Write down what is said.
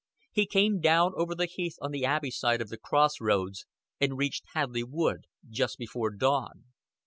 He came down over the heath on the Abbey side of the Cross Roads, and reached Hadleigh Wood just before dawn.